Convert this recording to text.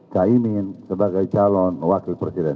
kak imin sebagai calon wakil presiden